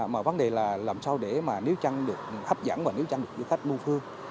mà vấn đề là làm sao để mà nếu chăng được hấp dẫn và nếu chăng được du khách mua phương